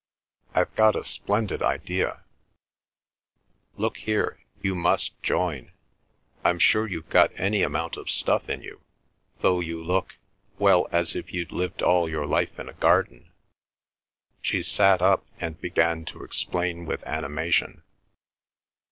I've got a splendid idea. Look here, you must join. I'm sure you've got any amount of stuff in you, though you look—well, as if you'd lived all your life in a garden." She sat up, and began to explain with animation.